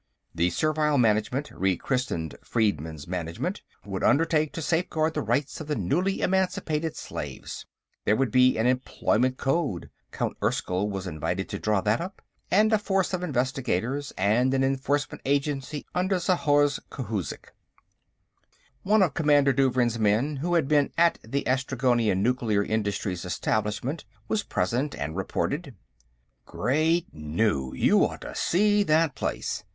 The Servile Management, rechristened Freedmen's Management, would undertake to safeguard the rights of the newly emancipated slaves. There would be an Employment Code Count Erskyll was invited to draw that up and a force of investigators, and an enforcement agency, under Zhorzh Khouzhik. One of Commander Douvrin's men, who had been at the Austragonia nuclear industries establishment, was present and reported: "Great Ghu, you ought to see that place!